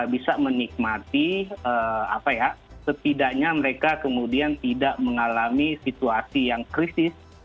bisa menikmati apa ya setidaknya mereka kemudian tidak mengalami situasi yang krisis